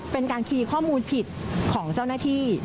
เป็นการคีย์ข้อมูลผิดของเจ้าหน้าที่